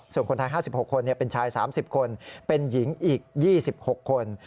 ส่วนคนไทย๕๖คนเป็นชาย๓๐คนเป็นหญิงอีก๒๖คน